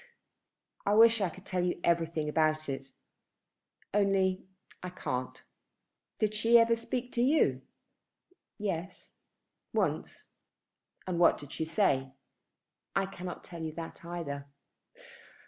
"I wish I could tell you everything about it; only I can't. Did she ever speak to you?" "Yes, once." "And what did she say?" "I cannot tell you that either."